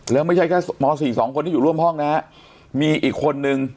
แล้วไม่ใช่แค่ม๔สองคนที่อยู่ร่วมห้องนะฮะมีอีกคนนึง